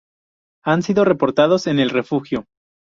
Han sido reportados en el refugio.